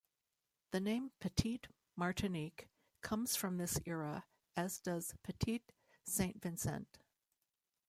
The name "Petit Martinique" comes from this era, as does Petit Saint Vincent.